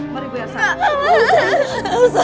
mari bu yersa